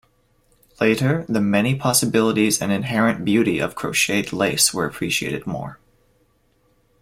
Later, the many possibilities and inherent beauty of crocheted lace were appreciated more.